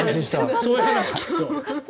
そういう話を聞くと。